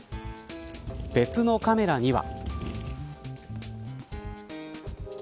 別のカメラには。